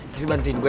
tapi bantuin gue ya